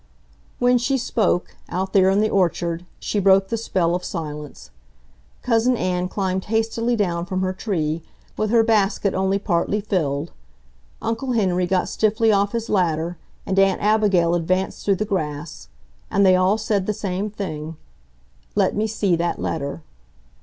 When she spoke, out there in the orchard, she broke the spell of silence. Cousin Ann climbed hastily down from her tree, with her basket only partly filled. Uncle Henry got stiffly off his ladder, and Aunt Abigail advanced through the grass. And they all said the same thing—"Let me see that letter."